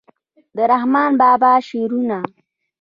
د رحمان بابا شعرونه